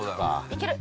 いける。